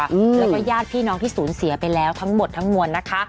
แล้วก็ญาติพี่น้องที่สูญเสียไปแล้วทั้งหมดทั้งมวลนะคะ